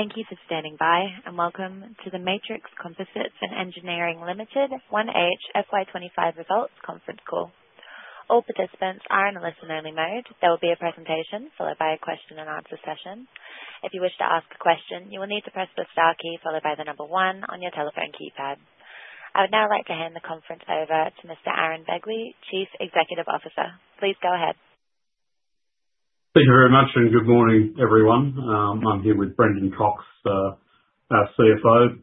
Thank you for standing by. Welcome to the Matrix Composites & Engineering Limited 1H FY 2025 Results Conference Call. All participants are in a listen-only mode. There will be a presentation followed by a question and answer session. If you wish to ask a question, you will need to press the star key followed by the number one on your telephone keypad. I would now like to hand the conference over to Mr. Aaron Begley, Chief Executive Officer. Please go ahead. Thank you very much, good morning, everyone. I'm here with Brendan Cocks, our CFO.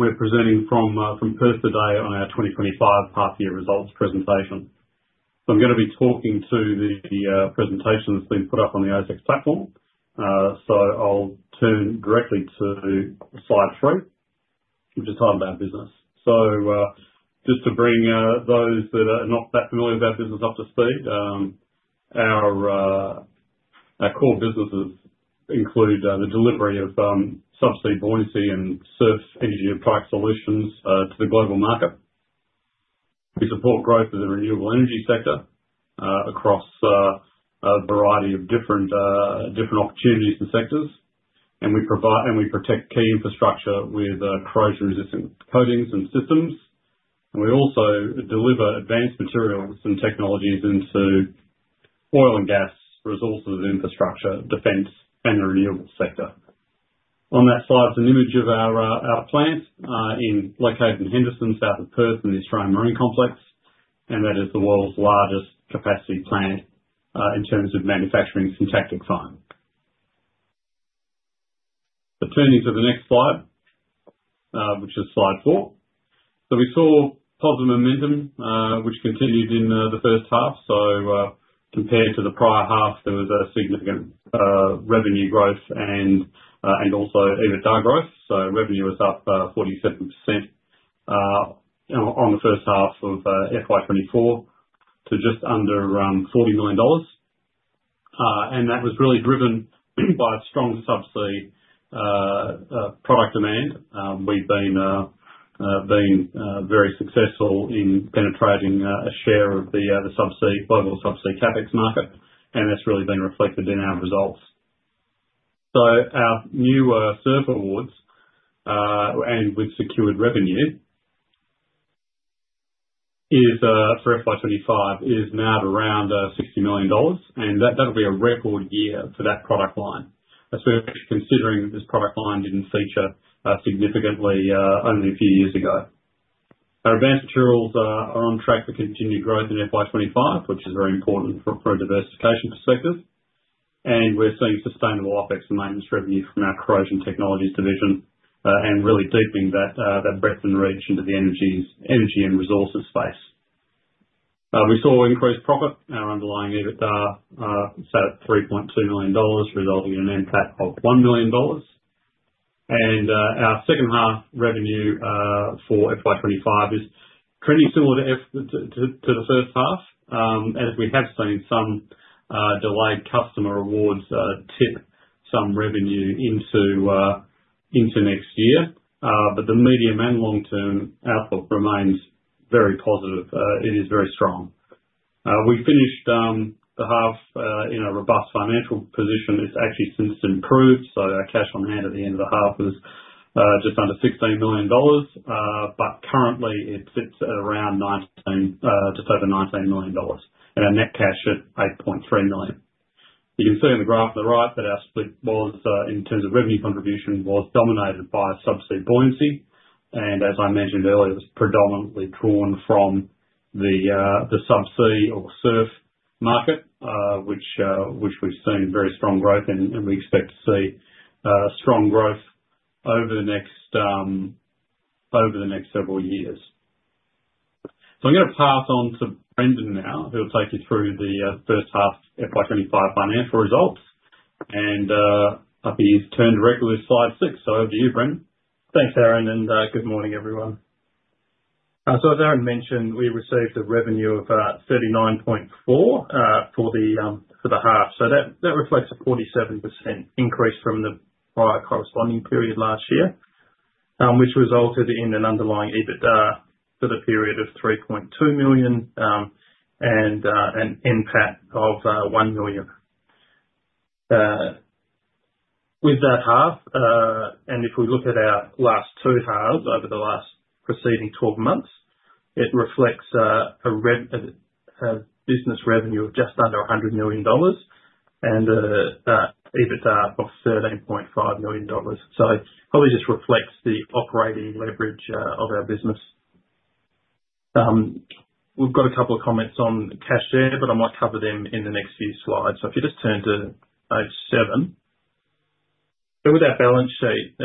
We're presenting from Perth today on our 2025 half-year results presentation. I'm gonna be talking to the presentation that's been put up on the ASX platform. I'll turn directly to slide three, which is titled Our Business. Just to bring those that are not that familiar with our business up to speed. Our core businesses include the delivery of subsea buoyancy and SURF energy product solutions to the global market. We support growth in the renewable energy sector across a variety of different opportunities and sectors, and we protect key infrastructure with corrosion-resistant coatings and systems. We also deliver advanced materials and technologies into oil and gas resources, infrastructure, Defence, and the renewable sector. On that slide is an image of our plant in Lake Haven, Henderson, south of Perth in the Australian Marine Complex, and that is the world's largest capacity plant in terms of manufacturing syntactic foam. Turning to the next slide, which is slide four. We saw positive momentum, which continued in the first half. Compared to the prior half, there was a significant revenue growth and also EBITDA growth. Revenue was up 47% on the first half of FY 2024 to just under 40 million dollars. That was really driven by strong subsea product demand. We've been very successful in penetrating a share of the global subsea CapEx market, and that's really been reflected in our results. Our new SURF awards and with secured revenue for FY 2025 is now at around 60 million dollars, and that'll be a record year for that product line. That's considering this product line didn't feature significantly only a few years ago. Our advanced materials are on track for continued growth in FY 2025, which is very important for a diversification sector. We're seeing sustainable OpEx and maintenance revenue from our corrosion technologies division, and really deepening that breadth and reach into the energy and resources space. We saw increased profit. Our underlying EBITDA sat at 3.2 million dollars, resulting in an NPAT of 1 million dollars. Our second half revenue for FY 2025 is pretty similar to the first half, as we have seen some delayed customer awards tip some revenue into next year. The medium- and long-term outlook remains very positive. It is very strong. We finished the half in a robust financial position. It's actually since improved, so our cash on hand at the end of the half was just under 16 million dollars. Currently it sits at around just over 19 million dollars, and our net cash at 8.3 million. You can see on the graph on the right that our split was, in terms of revenue contribution, was dominated by subsea buoyancy. As I mentioned earlier, it was predominantly drawn from the subsea or SURF market, which we've seen very strong growth and we expect to see strong growth over the next several years. I'm gonna pass on to Brendan now, who will take you through the first half FY 2025 financial results. If you turn directly to slide six. Over to you, Brendan. Thanks, Aaron, and good morning, everyone. As Aaron mentioned, we received a revenue of 39.4 for the half. That reflects a 47% increase from the prior corresponding period last year, which resulted in an underlying EBITDA for the period of 3.2 million, and an NPAT of 1 million. With that half, and if we look at our last two halves over the last preceding 12 months, it reflects a business revenue of just under 100 million dollars and an EBITDA of 13.5 million dollars. It probably just reflects the operating leverage of our business. We've got a couple of comments on the cash there, but I might cover them in the next few slides. If you just turn to page seven. With our balance sheet,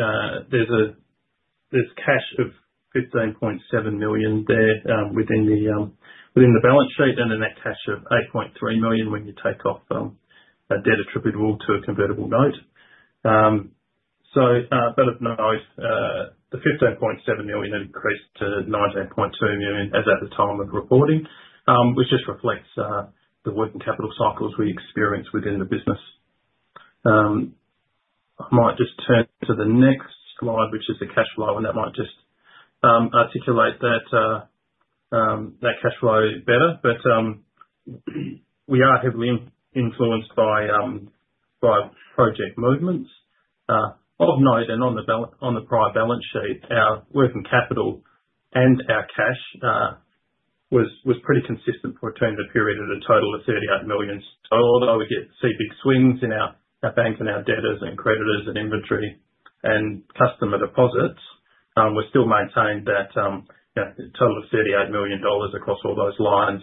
there's cash of 15.7 million there within the balance sheet and a net cash of 8.3 million when you take off a debt attributable to a convertible note. Of note, the 15.7 million increased to 19.2 million as at the time of reporting, which just reflects the working capital cycles we experience within the business. I might just turn to the next slide, which is the cash flow, and That cash flow better, we are heavily influenced by project movements. Of note and on the prior balance sheet, our working capital and our cash was pretty consistent for a term that period at a total of 38 million. Although we see big swings in our bank and our debtors and creditors and inventory and customer deposits, we still maintain that total of 38 million dollars across all those lines.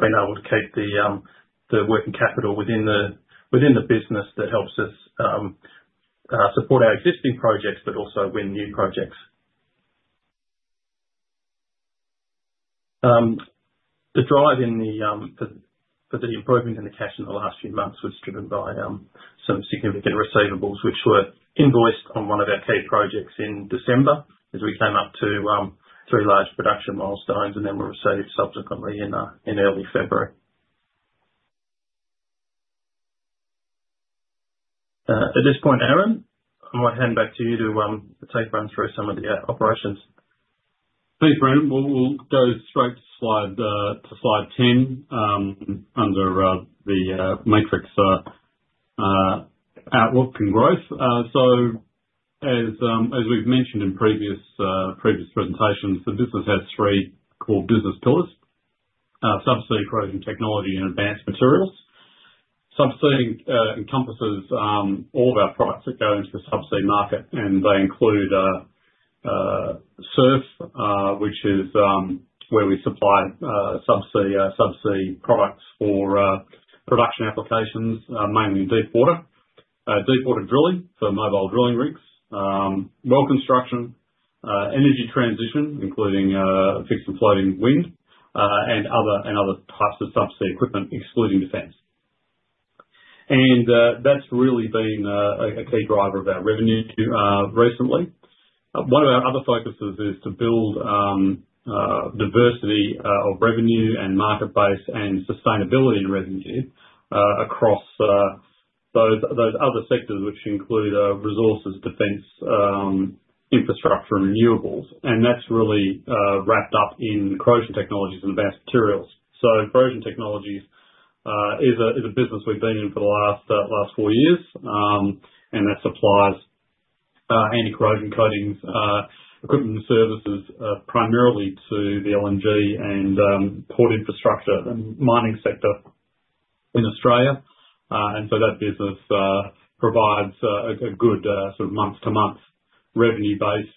Being able to keep the working capital within the business that helps us support our existing projects but also win new projects. The drive for the improvement in the cash in the last few months was driven by some significant receivables, which were invoiced on one of our key projects in December as we came up to three large production milestones and then were received subsequently in early February. At this point, Aaron, I might hand back to you to take run through some of the operations. Thanks, Brendan. We'll go straight to slide 10 under the Matrix Outlook and Growth. As we've mentioned in previous presentations, the business has three core business pillars: subsea, corrosion technology, and advanced materials. Subsea encompasses all of our products that go into the subsea market, and they include SURF which is where we supply subsea products for production applications, mainly in deep water, deep water drilling, so mobile drilling rigs, well construction, energy transition, including fixed and floating wind, and other types of subsea equipment, excluding defense. That's really been a key driver of our revenue recently. One of our other focuses is to build diversity of revenue and market base and sustainability in revenue across those other sectors, which include resources, defense, infrastructure, and renewables. That's really wrapped up in corrosion technologies and advanced materials. Corrosion technologies is a business we've been in for the last four years, that supplies anti-corrosion coatings, equipment, and services, primarily to the LNG and port infrastructure and mining sector in Australia. That business provides a good sort of month-to-month revenue base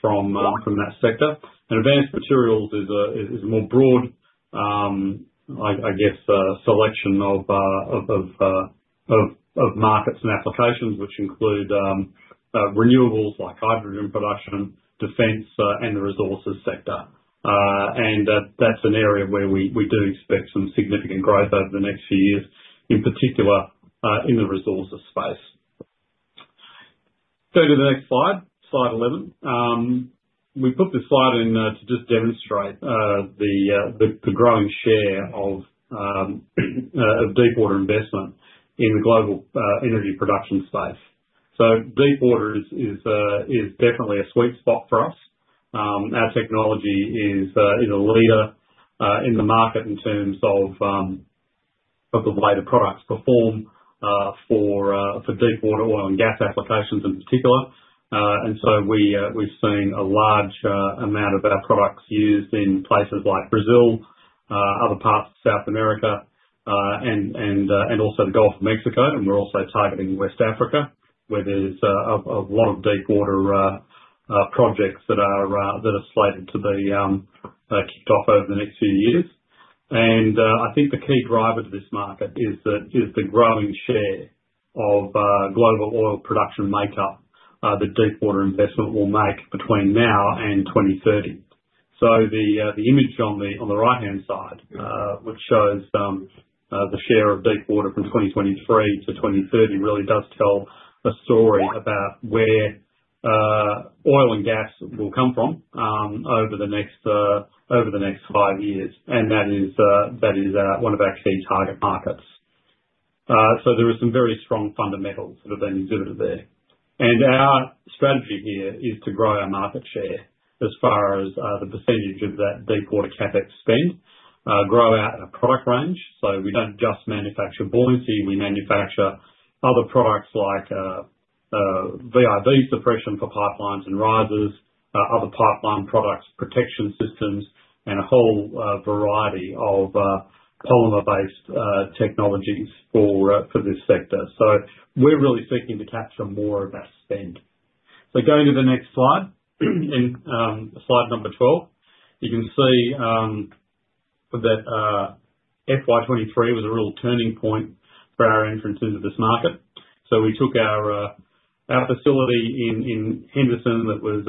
from that sector. Advanced materials is a mooe broad, I guess, selection of markets and applications, which include renewables like hydrogen production, defense, and the resources sector. That's an area where we do expect some significant growth over the next few years, in particular, in the resources space. Go to the next slide 11. We put this slide in to just demonstrate the growing share of deepwater investment in the global energy production space. Deepwater is definitely a sweet spot for us. Our technology is a leader in the market in terms of the way the products perform for deepwater oil and gas applications in particular. We've seen a large amount of our products used in places like Brazil, other parts of South America, and also the Gulf of Mexico. We're also targeting West Africa, where there's a lot of deepwater projects that are slated to be kicked off over the next few years. I think the key driver to this market is the growing share of global oil production makeup that deepwater investment will make between now and 2030. The image on the right-hand side, which shows the share of deepwater from 2023 to 2030, really does tell a story about where oil and gas will come from over the next five years. That is one of our key target markets. There are some very strong fundamentals that have been exhibited there. Our strategy here is to grow our market share as far as the percentage of that deepwater CapEx spend, grow out a product range. We don't just manufacture buoyancy, we manufacture other products like VIV suppression for pipelines and risers, other pipeline products, protection systems, and a whole variety of polymer-based technologies for this sector. We're really seeking to capture more of that spend. Going to the next slide. In slide number 12, you can see that FY 2023 was a real turning point for our entrance into this market. We took our facility in Henderson that was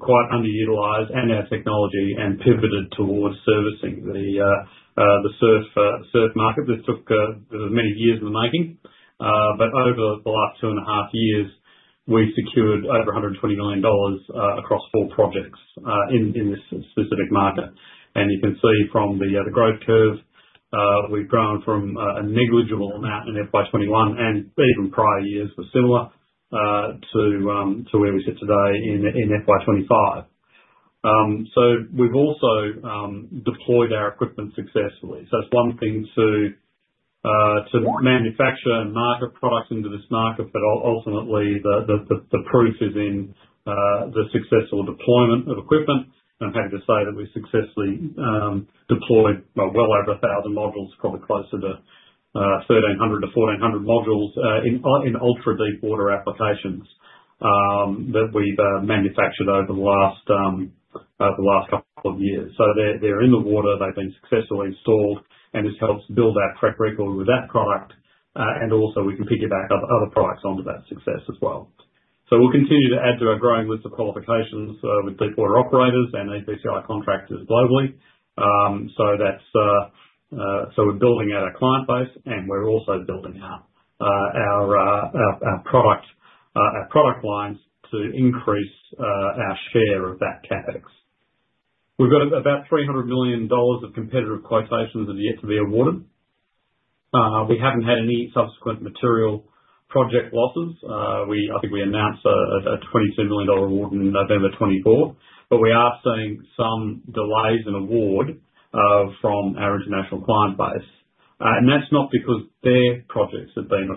quite underutilized, and our technology, and pivoted towards servicing the SURF market, which took many years in the making. Over the last 2 and a half years, we've secured over 120 million dollars across four projects in this specific market. You can see from the growth curve. We've grown from a negligible amount in FY 2021, and even prior years were similar, to where we sit today in FY 2025. We've also deployed our equipment successfully. It's one thing to manufacture and market products into this market, but ultimately, the proof is in the successful deployment of equipment. I'm happy to say that we successfully deployed well over 1,000 modules, probably closer to 1,300-1,400 modules in ultra-deepwater applications that we've manufactured over the last couple of years. They're in the water, they've been successfully installed, and this helps build our track record with that product, and also we can piggyback other products onto that success as well. We'll continue to add to our growing list of qualifications with deepwater operators and EPCI contractors globally. We're building out our client base and we're also building out our product lines to increase our share of that CapEx. We've got about 300 million dollars of competitive quotations that are yet to be awarded. We haven't had any subsequent material project losses. I think we announced a 22 million dollar award in November 2024. We are seeing some delays in award from our international client base. That's not because their projects have been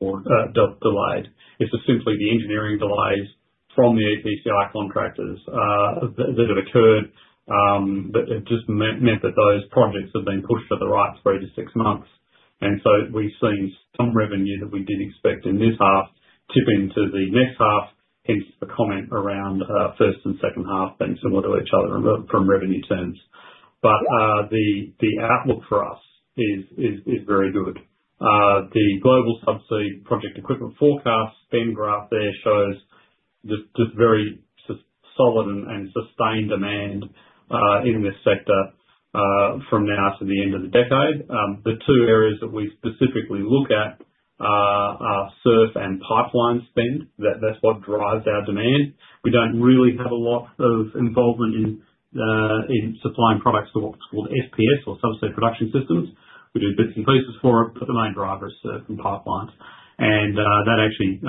delayed. It's just simply the engineering delays from the EPCI contractors that have occurred. It just meant that those projects have been pushed to the right three to six months. We've seen some revenue that we did expect in this half tip into the next half, hence the comment around first and second half being similar to each other from revenue terms. The outlook for us is very good. The global subsea project equipment forecast spend graph there shows just very solid and sustained demand in this sector from now to the end of the decade. The two areas that we specifically look at are SURF and pipeline spend. That's what drives our demand. We don't really have a lot of involvement in supplying products for what's called SPS or subsea production systems. We do bits and pieces for it, but the main driver is SURF and pipelines. That actually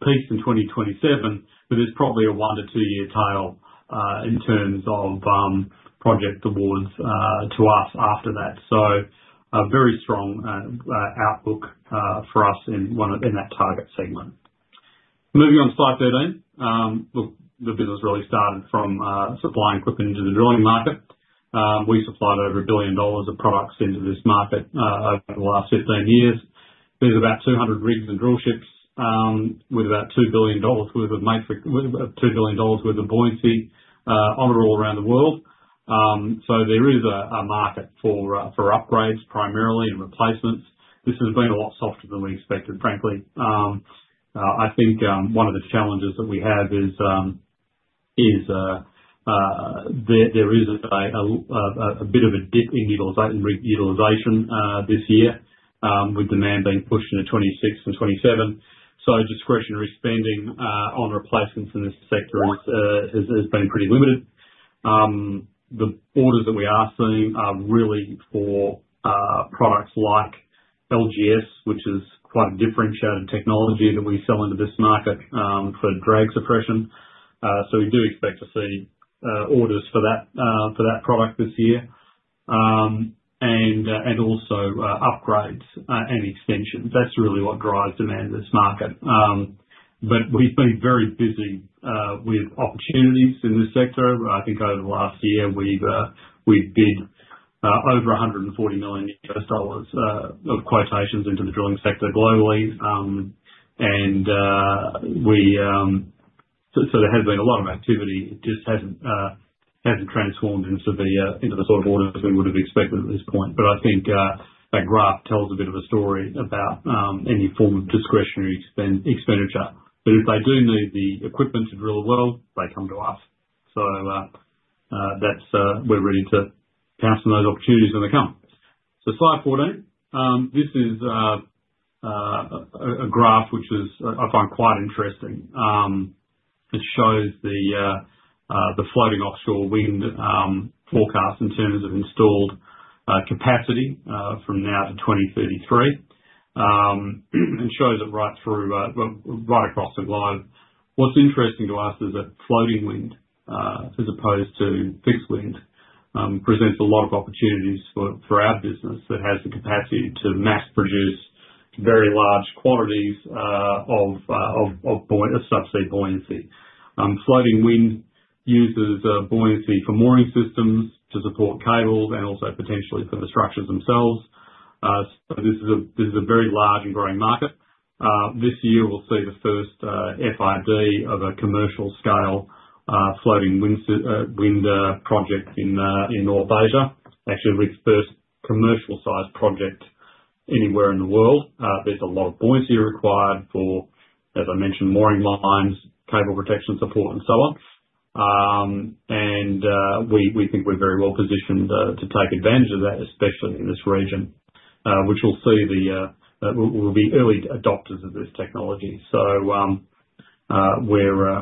peaks in 2027, but there's probably a one to two-year tail in terms of project awards to us after that. A very strong outlook for us in that target segment. Moving on to slide 13. Look, the business really started from supplying equipment into the drilling market. We supplied over 1 billion dollars of products into this market over the last 15 years. There's about 200 rigs and drill ships with about 2 billion dollars worth of buoyancy on or all around the world. There is a market for upgrades primarily and replacements. This has been a lot softer than we expected, frankly. I think one of the challenges that we have is there is a bit of a dip in rig utilization this year, with demand being pushed into 2026 and 2027. Discretionary spending on replacements in this sector has been pretty limited. The orders that we are seeing are really for products like LGS, which is quite a differentiated technology that we sell into this market for drag suppression. We do expect to see orders for that product this year, and also upgrades and extensions. That's really what drives demand in this market. We've been very busy with opportunities in this sector. I think over the last year, we've bid over 140 million dollars of quotations into the drilling sector globally. There has been a lot of activity. It just hasn't transformed into the sort of orders we would have expected at this point. I think that graph tells a bit of a story about any form of discretionary expenditure. If they do need the equipment to drill a well, they come to us. We're ready to pounce on those opportunities when they come. Slide 14. This is a graph which I find quite interesting. It shows the floating offshore wind forecast in terms of installed capacity from now to 2033, and shows it right across the globe. What's interesting to us is that floating wind, as opposed to fixed wind, presents a lot of opportunities for our business that has the capacity to mass produce very large quantities of subsea buoyancy. Floating wind uses buoyancy for mooring systems to support cables and also potentially for the structures themselves. This is a very large and growing market. This year, we'll see the first FID of a commercial scale floating wind project in North Asia. Actually, the first commercial size project anywhere in the world. There's a lot of buoyancy required for, as I mentioned, mooring lines, cable protection support, and so on. We think we're very well positioned to take advantage of that, especially in this region, which will see the will be early adopters of this technology. We're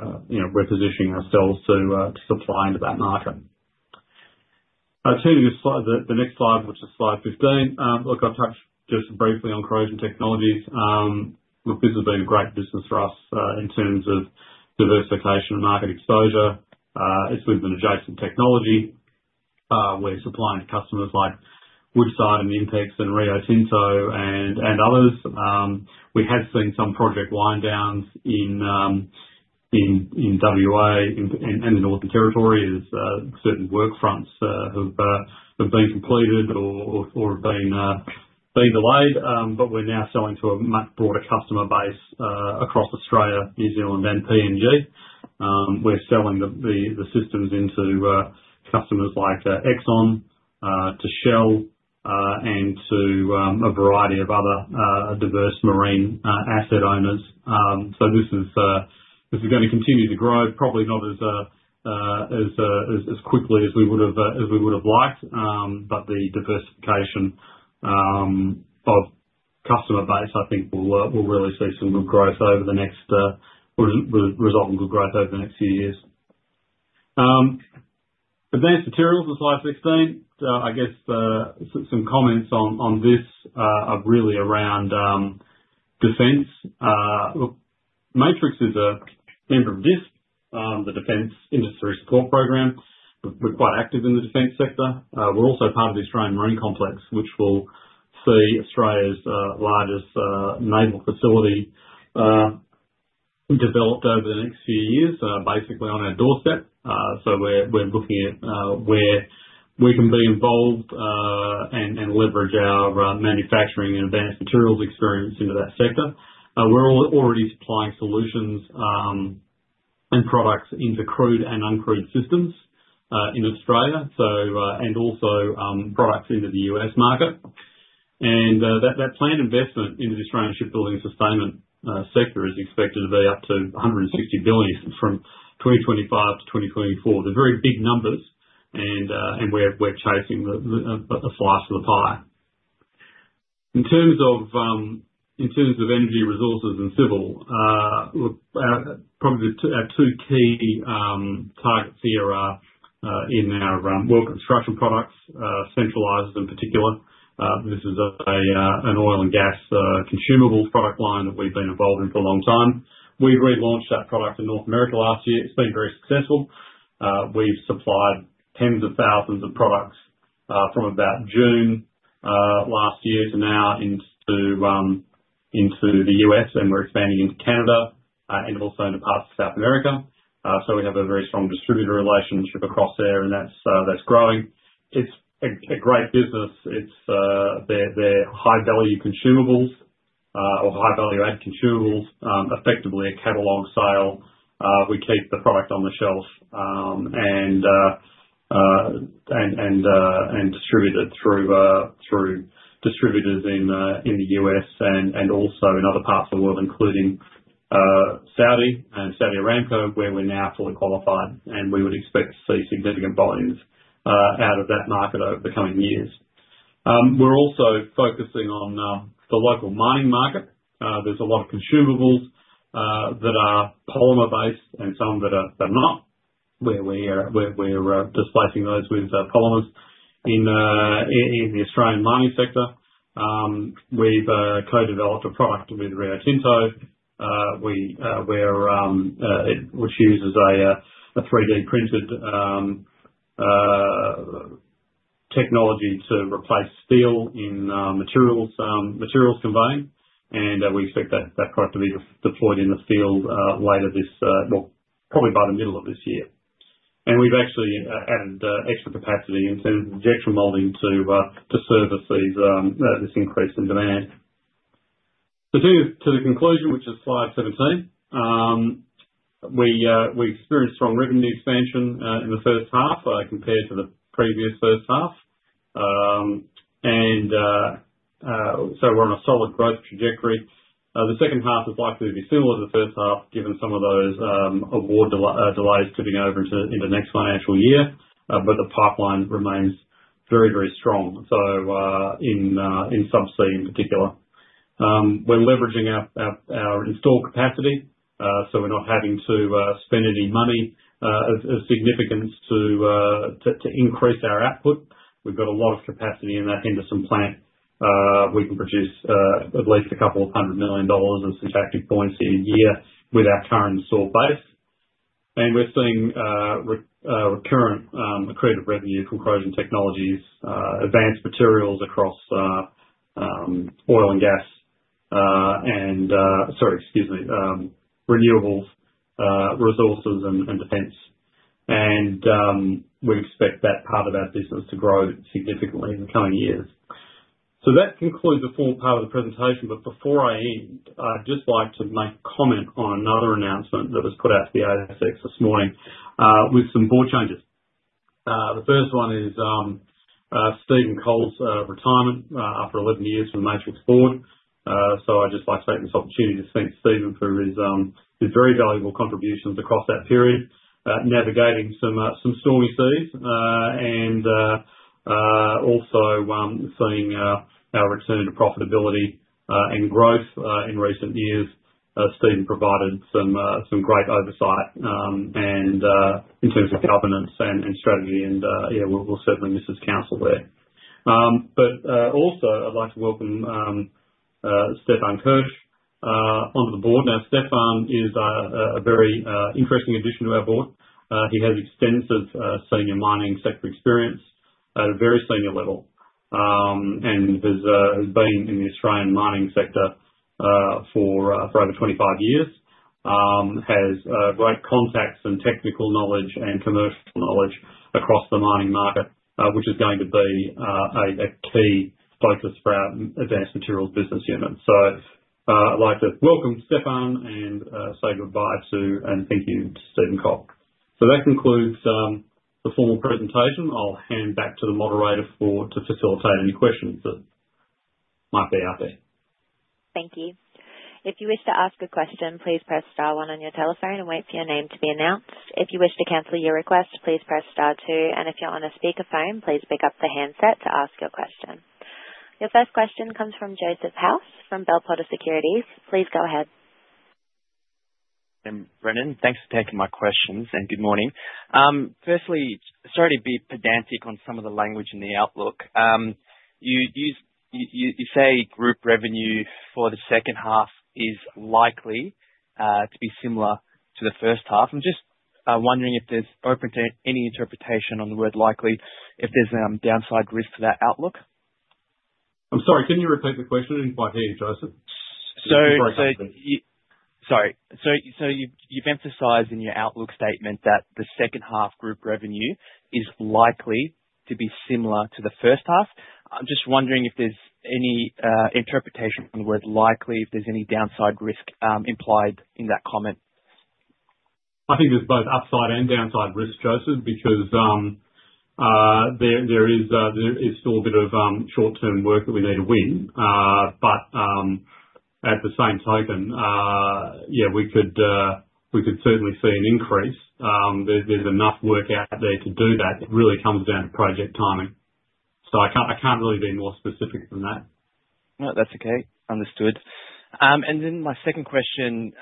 positioning ourselves to supply into that market. Turning to the next slide, which is slide 15. Look, I'll touch just briefly on Corrosion Technologies. Look, this has been a great business for us, in terms of diversification and market exposure. It's with an adjacent technology. We're supplying to customers like Woodside and INPEX and Rio Tinto and others. We have seen some project wind downs in W.A. and the Northern Territory as certain work fronts have been completed or have been delayed. We're now selling to a much broader customer base across Australia, New Zealand, and PNG. We're selling the systems into customers like Exxon, to Shell, and to a variety of other diverse marine asset owners. This is going to continue to grow, probably not as quickly as we would've liked. The diversification of customer base, I think will really see some good growth over the next few years. Advanced materials is slide 16. I guess, some comments on this are really around defense. Look, Matrix is a member of DISP, the Defence Industry Security Program. We're quite active in the defense sector. We're also part of the Australian Marine Complex, which will see Australia's largest naval facility developed over the next few years, basically on our doorstep. We're looking at where we can be involved, and leverage our manufacturing and advanced materials experience into that sector. We're already supplying solutions, and products into crewed and uncrewed systems, in Australia. Also products into the U.S. market. That planned investment into the Australian shipbuilding sustainment sector is expected to be up to 160 billion from 2025 to 2044. They're very big numbers and we're chasing the slice of the pie. In terms of energy resources and civil, look, probably our two key targets here are in our well construction products, centralizers in particular. This is an oil and gas consumable product line that we've been involved in for a long time. We relaunched that product in North America last year. It's been very successful. We've supplied tens of thousands of products, from about June last year to now into the U.S. and we're expanding into Canada, and also into parts of South America. We have a very strong distributor relationship across there, and that's growing. It's a great business. They're high-value consumables, or high value-add consumables, effectively a catalog sale. We keep the product on the shelf and distribute it through distributors in the U.S. and also in other parts of the world, including Saudi and Saudi Aramco, where we're now fully qualified. We would expect to see significant volumes out of that market over the coming years. We're also focusing on the local mining market. There's a lot of consumables that are polymer-based and some that are not. We're displacing those with polymers in the Australian mining sector. We've co-developed a product with Rio Tinto, which uses a 3D-printed technology to replace steel in materials conveying. We expect that product to be deployed in the field, well, probably by the middle of this year. We've actually added extra capacity in terms of injection molding to service this increase in demand. Turning to the conclusion, which is slide 17. We experienced strong revenue expansion in the first half compared to the previous first half. We're on a solid growth trajectory. The second half is likely to be similar to the first half given some of those award delays tipping over into the next financial year. The pipeline remains very, very strong. In subsea in particular. We're leveraging our installed capacity, so we're not having to spend any money of significance to increase our output. We've got a lot of capacity in that Henderson plant. We can produce at least a couple of hundred million AUD of syntactic foam a year with our current install base. We're seeing recurrent accretive revenue from Corrosion Technologies, advanced materials across oil and gas. Sorry, excuse me. Renewables, resources, and defense. We expect that part of our business to grow significantly in the coming years. That concludes the formal part of the presentation. Before I end, I'd just like to make a comment on another announcement that was put out to the ASX this morning, with some board changes. The first one is Steven Cole's retirement after 11 years from the Matrix board. I'd just like to take this opportunity to thank Steven for his very valuable contributions across that period, navigating some stormy seas and also seeing our return to profitability and growth in recent years. Steven provided some great oversight in terms of governance and strategy and we'll certainly miss his counsel there. Also I'd like to welcome Stephan Kirsch onto the board. Stephan is a very interesting addition to our board. He has extensive senior mining sector experience at a very senior level, and has been in the Australian mining sector for over 25 years. Has great contacts and technical knowledge and commercial knowledge across the mining market, which is going to be a key focus for our advanced materials business unit. I'd like to welcome Stephan and say goodbye to and thank you to Steven Cole. That concludes the formal presentation. I'll hand back to the moderator to facilitate any questions that might be out there. Thank you. If you wish to ask a question, please press star one on your telephone and wait for your name to be announced. If you wish to cancel your request, please press star two. If you're on a speakerphone, please pick up the handset to ask your question. Your first question comes from Joseph House from Bell Potter Securities. Please go ahead. Brendan, thanks for taking my questions and good morning. Firstly, sorry to be pedantic on some of the language in the outlook. You say group revenue for the second half is likely to be similar to the first half. I'm just wondering if there's open to any interpretation on the word likely, if there's downside risk to that outlook? I'm sorry, can you repeat the question? I didn't quite hear you, Joseph. Sorry. You've emphasized in your outlook statement that the second half group revenue is likely to be similar to the first half. I'm just wondering if there's any interpretation on the word likely, if there's any downside risk implied in that comment? I think there's both upside and downside risk, Joseph, because there is still a bit of short-term work that we need to win. At the same token, yeah, we could certainly see an increase. There's enough work out there to do that. It really comes down to project timing. I can't really be more specific than that. No, that's okay. Understood. My second question,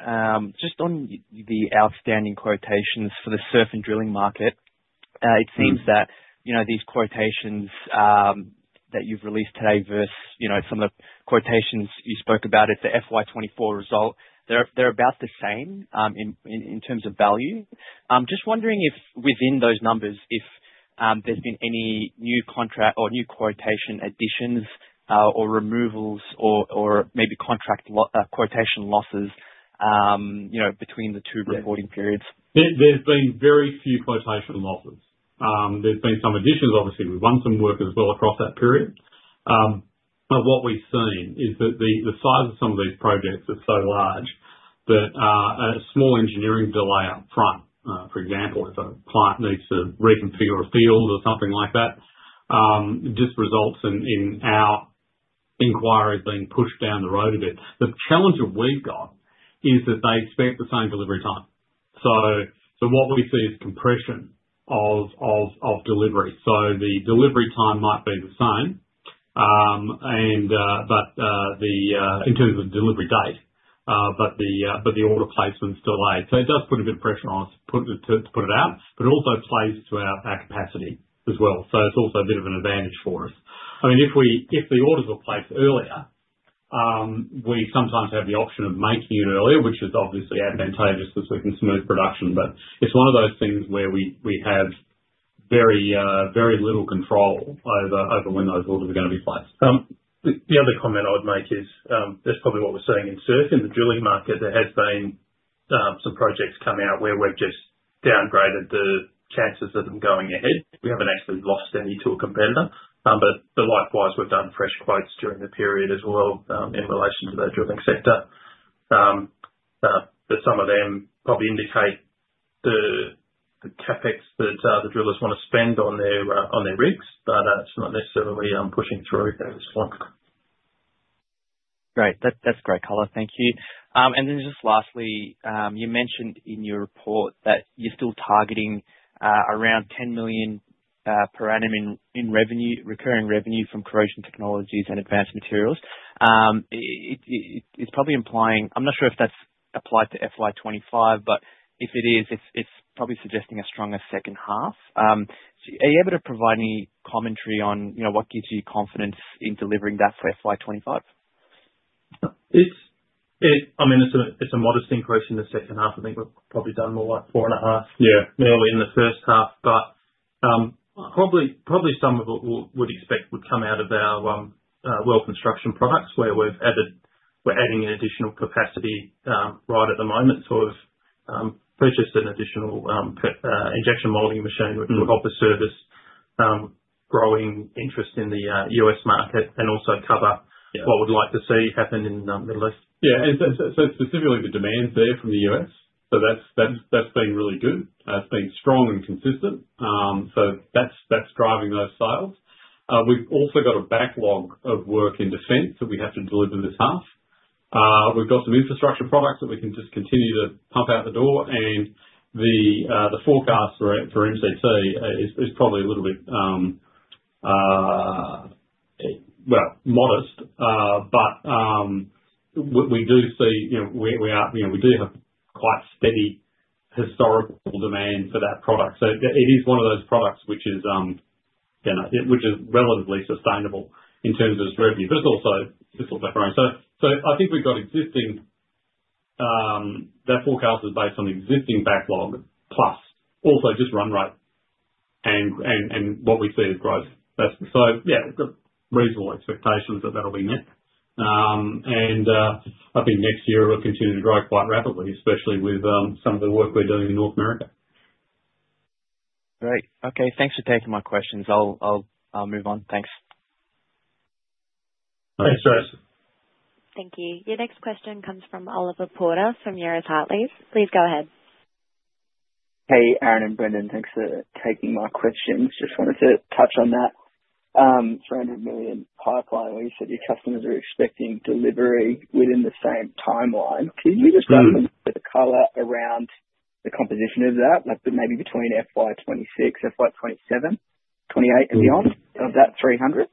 just on the outstanding quotations for the SURF and drilling market? It seems that these quotations that you've released today versus some of the quotations you spoke about at the FY 2024 result, they're about the same in terms of value. I'm just wondering if within those numbers, if there's been any new contract or new quotation additions or removals or maybe quotation losses between the two reporting periods. There's been very few quotation losses. There's been some additions. Obviously, we won some work as well across that period. What we've seen is that the size of some of these projects are so large that a small engineering delay up front, for example, if a client needs to reconfigure a field or something like that, just results in our inquiry being pushed down the road a bit. The challenge that we've got is that they expect the same delivery time. What we see is compression of delivery. The delivery time might be the same in terms of delivery date, but the order placement's delayed. It does put a bit of pressure on us to put it out, but it also plays to our capacity as well. It's also a bit of an advantage for us. If the orders were placed earlier, we sometimes have the option of making it earlier, which is obviously advantageous because we can smooth production. It's one of those things where we have very little control over when those orders are going to be placed. The other comment I would make is, that's probably what we're seeing in SURF, in the drilling market, there has been some projects come out where we've just downgraded the chances of them going ahead. We haven't actually lost any to a competitor. Likewise, we've done fresh quotes during the period as well, in relation to the drilling sector. Some of them probably indicate the CapEx that the drillers want to spend on their rigs, but it's not necessarily pushing through as strong. Great. That's great color. Thank you. Then just lastly, you mentioned in your report that you're still targeting around 10 million per annum in recurring revenue from corrosion technologies and advanced materials. I'm not sure if that's applied to FY 2025, but if it is, it's probably suggesting a stronger second half. Are you able to provide any commentary on what gives you confidence in delivering that for FY 2025? It's a modest increase in the second half. I think we've probably done more like four and a half. Yeah. nearly in the first half. Probably some of it we would expect would come out of our well construction products, where we're adding an additional capacity right at the moment, sort of purchased an additional injection molding machine, which will help us service growing interest in the U.S. market and also cover what we'd like to see happen in the Middle East. Yeah. Specifically the demand's there from the U.S. That's been really good. It's been strong and consistent. That's driving those sales. We've also got a backlog of work in defense that we have to deliver this half. We've got some infrastructure products that we can just continue to pump out the door and the forecast for MCE is probably a little bit modest. We do have a quite steady historical demand for that product. It is one of those products which is relatively sustainable in terms of its revenue. It's also growing. I think that forecast is based on existing backlog plus also just run rate and what we see as growth. Yeah, we've got reasonable expectations that that'll be met. I think next year we'll continue to grow quite rapidly, especially with some of the work we're doing in North America. Great. Okay. Thanks for taking my questions. I'll move on. Thanks. Thanks, Joseph. Thank you. Your next question comes from Oliver Porter from Euroz Hartleys. Please go ahead. Hey, Aaron and Brendan. Thanks for taking my questions. Just wanted to touch on that 300 million pipeline where you said your customers are expecting delivery within the same timeline. Can you just give a bit of color around the composition of that, like maybe between FY 2026, FY 2027, 2028, and beyond of that 300?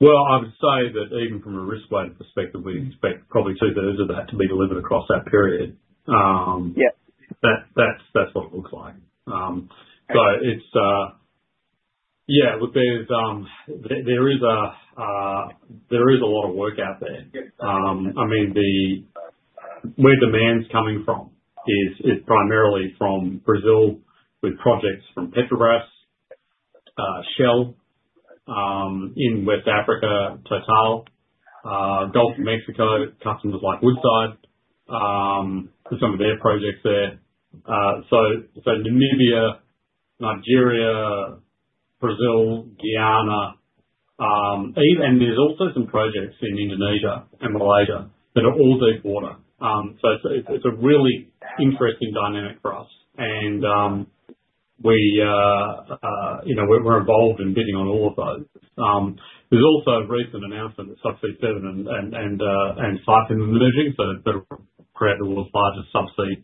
Well, I would say that even from a risk-weighted perspective, we'd expect probably two-thirds of that to be delivered across that period. Yeah. That's what it looks like. There is a lot of work out there. Yeah. Where demand's coming from is primarily from Brazil, with projects from Petrobras, Shell, in West Africa, Total, Gulf of Mexico, customers like Woodside, for some of their projects there. Namibia, Nigeria, Brazil, Guyana, and there's also some projects in Indonesia and Malaysia that are all deep water. It's a really interesting dynamic for us. We're involved in bidding on all of those. There's also a recent announcement with Subsea 7 and Saipem are merging, so they're currently the world's largest subsea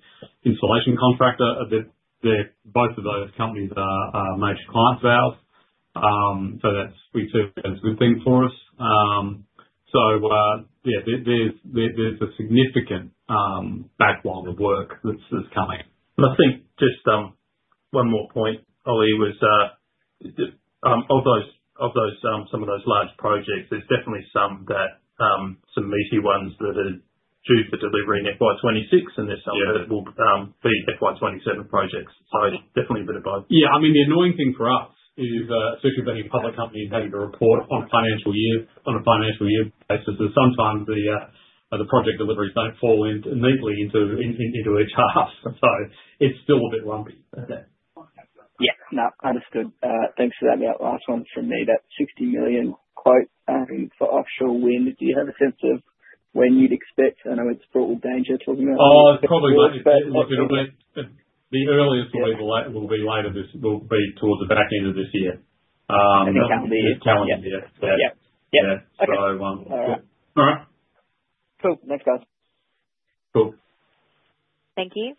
installation contractor. Both of those companies are major clients of ours. That we see as a good thing for us. Yeah, there's a significant backlog of work that's coming. I think just one more point, Oliver, was of some of those large projects, there is definitely some meaty ones that are due for delivery in FY 2026. Yeah That will be FY 2027 projects. Definitely a bit of both. Yeah. The annoying thing for us is, especially being a public company and having to report on a financial year basis, is sometimes the project deliveries don't fall in neatly into their charts. It's still a bit lumpy. Yeah. No, understood. Thanks for that. Last one from me. That 60 million quote, I think, for offshore wind. Do you have a sense of when you'd expect, I know it's fraught with danger talking about- Probably, look, the earliest- Yeah. Will be towards the back end of this year. The calendar year? Calendar year. Yeah. Yeah. Okay. So. All right. All right. Cool. Thanks, guys. Cool. Thank you.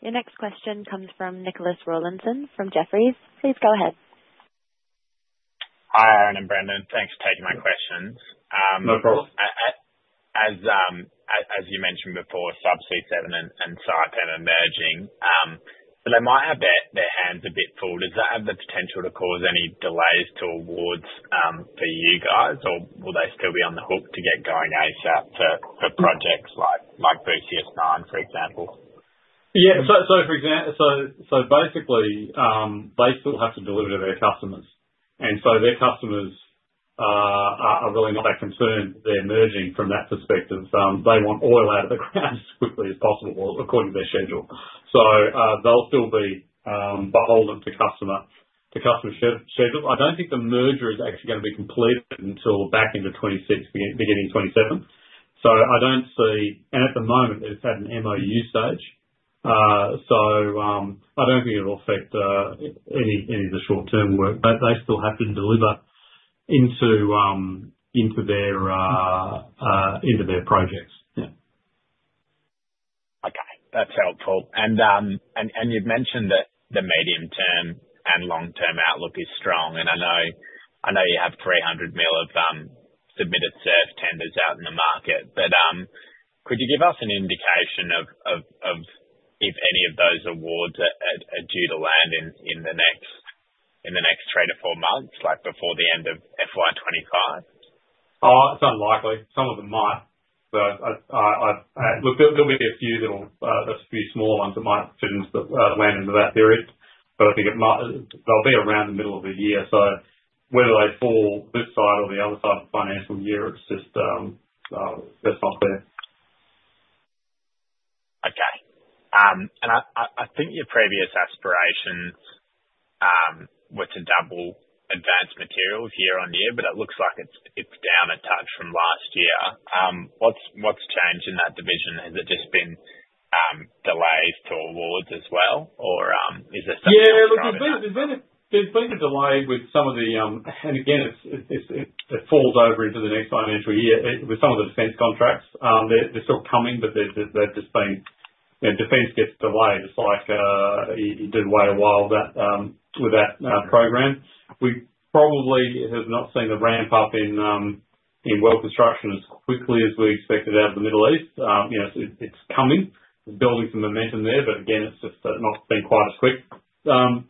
Your next question comes from Nicholas Rollinson from Jefferies. Please go ahead. Hi, Aaron and Brendan. Thanks for taking my questions. No problem. As you mentioned before, Subsea 7 and Saipem are merging. they might have their hands a bit full. Does that have the potential to cause any delays to awards for you guys? will they still be on the hook to get going Asia for projects like BCS nine, for example? Basically, they still have to deliver to their customers. Their customers are really not that concerned with their merging from that perspective. They want oil out of the ground as quickly as possible or according to their schedule. They'll still be beholden to customer schedule. I don't think the merger is actually going to be completed until back end of 2026, beginning of 2027. At the moment it's at an MOU stage. I don't think it'll affect any of the short-term work. They still have to deliver into their projects. Okay. That's helpful. You've mentioned that the medium-term and long-term outlook is strong. I know you have 300 million of submitted SURF tenders out in the market. Could you give us an indication of if any of those awards are due to land in the next three to four months, like before the end of FY 2025? It's unlikely. Some of them might. There'll be a few small ones that might land into that period, but I think they'll be around the middle of the year. Whether they fall this side or the other side of the financial year, it's just, that's not clear. Okay. I think your previous aspirations, were to double advanced materials year on year. It looks like it's down a touch from last year. What's changed in that division? Has it just been delays to awards as well or is there some Yeah. There's been a delay with some of the. Again, it falls over into the next financial year. With some of the Defence contracts, they're still coming. Defence gets delayed, just like it did way a while with that program. We probably have not seen the ramp up in well construction as quickly as we expected out of the Middle East. It's coming. We're building some momentum there, but again, it's just not been quite as quick.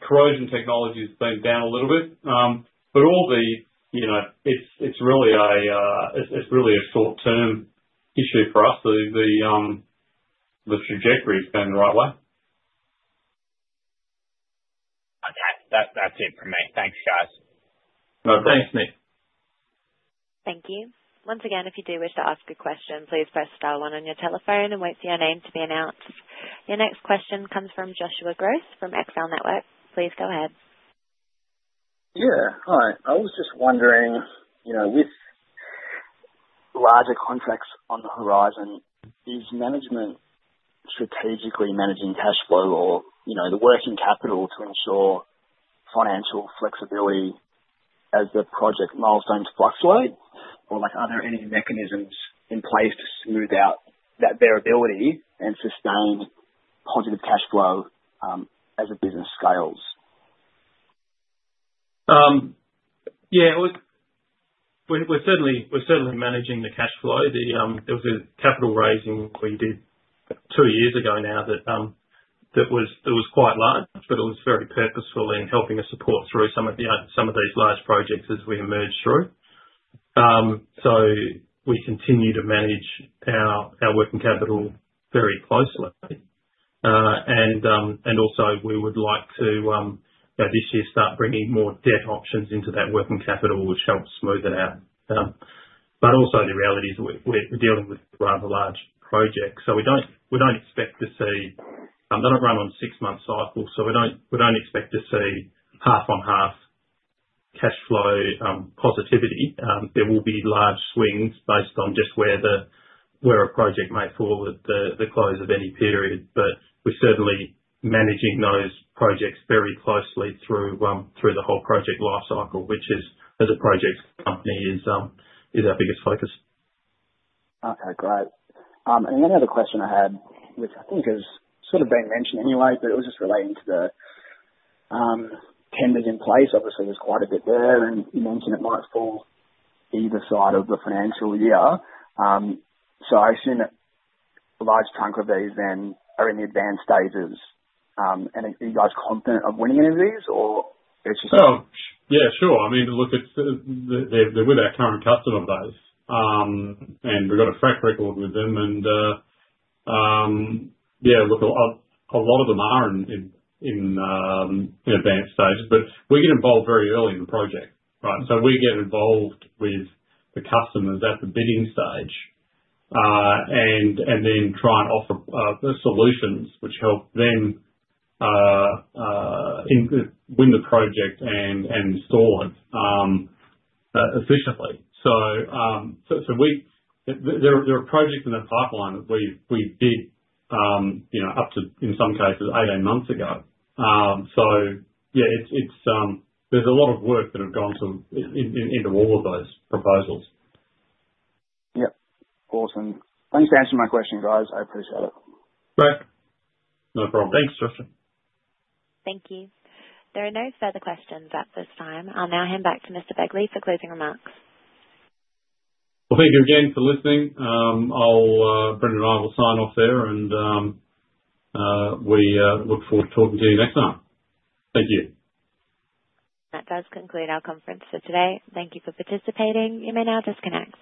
Corrosion technology's been down a little bit. It's really a short-term issue for us. The trajectory's going the right way. Okay. That's it from me. Thanks, guys. No problem. Thanks, Nick. Thank you. Once again, if you do wish to ask a question, please press star one on your telephone and wait for your name to be announced. Your next question comes from Joshua Gross from EXELNetwork. Please go ahead. Yeah. Hi. I was just wondering, with larger contracts on the horizon, is management strategically managing cash flow or the working capital to ensure financial flexibility as the project milestones fluctuate? Or are there any mechanisms in place to smooth out that variability and sustain positive cash flow, as the business scales? Yeah, we're certainly managing the cash flow. There was a capital raising we did two years ago now that was quite large, but it was very purposeful in helping us support through some of these large projects as we emerge through. We continue to manage our working capital very closely. Also we would like to, this year, start bringing more debt options into that working capital, which helps smooth it out. Also the reality is we're dealing with rather large projects. They don't run on six-month cycles, so we don't expect to see half-on-half cash flow positivity. There will be large swings based on just where a project may fall at the close of any period. We're certainly managing those projects very closely through the whole project life cycle, which as a projects company, is our biggest focus. Okay, great. Then the other question I had, which I think has sort of been mentioned anyway, but it was just relating to the tenders in place. Obviously, there's quite a bit there, and you mentioned it might fall either side of the financial year. I assume a large chunk of these then are in the advanced stages. Are you guys confident of winning any of these? Sure. I mean, look, they're with our current customer base. We've got a track record with them and, yeah, look, a lot of them are in advanced stages, but we get involved very early in the project, right. We get involved with the customers at the bidding stage, and then try and offer solutions which help them win the project and install it efficiently. There are projects in the pipeline that we bid up to, in some cases, 18 months ago. Yeah, there's a lot of work that have gone into all of those proposals. Yep. Awesome. Thanks for answering my question, guys. I appreciate it. Great. No problem. Thanks, Joshua. Thank you. There are no further questions at this time. I'll now hand back to Mr. Begley for closing remarks. Well, thank you again for listening. Brendan and I will sign off there, and we look forward to talking to you next time. Thank you. That does conclude our conference for today. Thank you for participating. You may now disconnect.